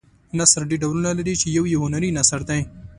نثر ډېر ډولونه لري چې یو یې هنري نثر دی.